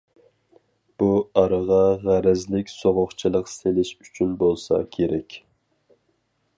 بۇ، ئارىغا غەرەزلىك سوغۇقچىلىق سېلىش ئۈچۈن بولسا كېرەك.